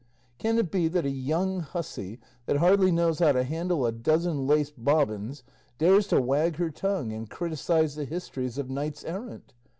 can it be that a young hussy that hardly knows how to handle a dozen lace bobbins dares to wag her tongue and criticise the histories of knights errant?